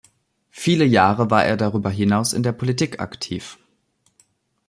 Viele Jahre war er darüber hinaus in der Politik aktiv.